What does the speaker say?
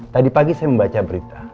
tadi pagi saya membaca berita